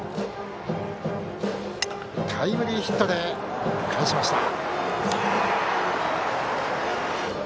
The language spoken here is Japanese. タイムリーヒットで返しました。